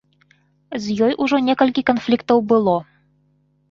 З ёй ужо некалькі канфліктаў было.